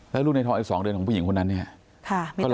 แล้วลูกในท้องอีก๒เดือนของผู้หญิงคนนั้นเนี่ยก็ลำบากอีก